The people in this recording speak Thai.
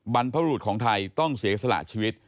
บรรพบรุษของไทยต้องเสียสละชีวิต